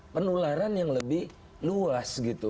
penularan yang lebih luas